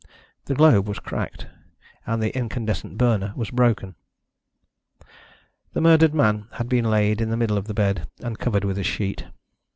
The globe was cracked, and the incandescent burner was broken. The murdered man had been laid in the middle of the bed, and covered with a sheet.